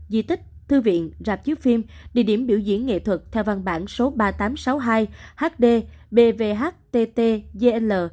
di tích thư viện rạp chứa phim địa điểm biểu diễn nghệ thuật theo văn bản số ba nghìn tám trăm sáu mươi hai hd bvhttjl